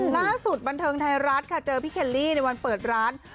ล่าสุดบันเทิงไทยรัฐค่ะเจอพี่เคลลี่ในวันเปิดร้าน